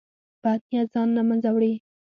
بد نیت ځان له منځه وړي.